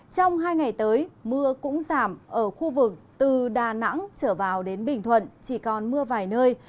trong hai ngày tới mưa cũng giảm ở khu vực từ đà nẵng trở vào đến bình thuận chỉ còn mưa vài nơi